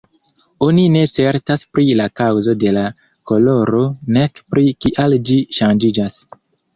Oni ne certas pri la kaŭzo de la koloro nek pri kial ĝi ŝanĝiĝas.